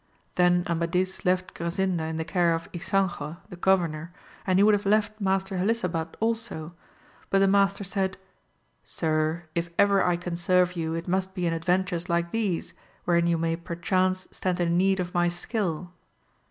Then Amadis left Grasinda in the care of Ysanjo the Go vernor, and he would have left Master Helisabad also, but the master said, Sir, if ever I can serve you it must be in adventures like these, wherein you may perchance stand in need of my skill.